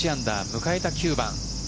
迎えた９番。